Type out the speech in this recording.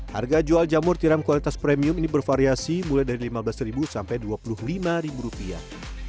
harga jual jamur tiram kualitas premium ini bervariasi mulai dari lima belas sampai dua puluh lima rupiah